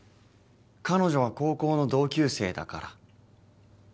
彼女は高校の同級生だから。